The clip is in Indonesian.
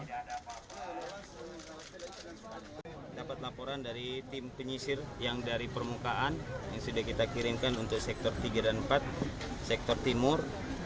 dapat laporan dari tim penyisir yang dari permukaan yang sudah kita kirimkan untuk sektor tiga dan empat sektor timur